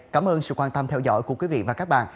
cảm ơn sự quan tâm theo dõi của quý vị và các bạn